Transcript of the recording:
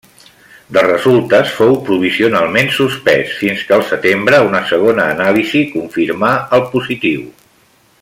De resultes fou provisionalment suspès, fins que al setembre una segona anàlisi confirmà el positiu.